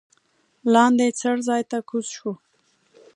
لاندې څړځای ته کوز شوو.